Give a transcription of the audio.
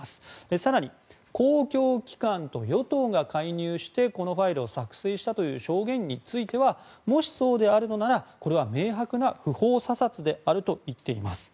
更に公共機関と与党が介入してこのファイルを作成したという証言についてはもしそうであるのならこれは明白な不法査察であると言っています。